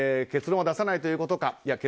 結論は出さないということか。